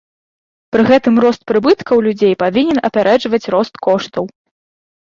Пры гэтым рост прыбыткаў людзей павінен апярэджваць рост коштаў.